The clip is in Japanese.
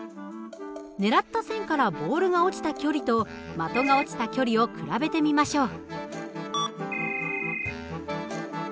ねらった線からボールが落ちた距離と的が落ちた距離を比べてみましょう。